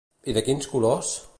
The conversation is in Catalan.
I de quins colors?